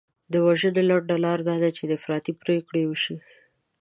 د وژنې لنډه لار دا ده چې افراطي پرېکړې وشي.